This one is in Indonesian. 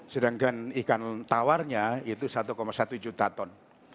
sedangkan ikan tawarnya itu satu satu juta ton